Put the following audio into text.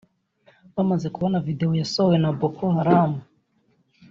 bamaze kubona videwo yasohowe na Boko Haram